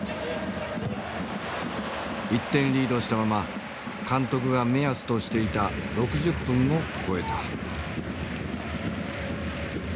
１点リードしたまま監督が目安としていた６０分を超えた。